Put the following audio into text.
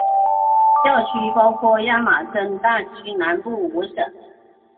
教区包括亚马孙大区南部五省。